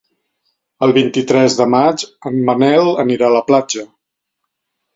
El vint-i-tres de maig en Manel anirà a la platja.